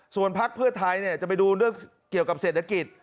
ส่วนพักเพื่อไทยจะไปดูเรื่องเกี่ยวกับเศรษฐกิจ